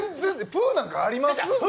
「ぷー」なんてあります？